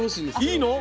いいの？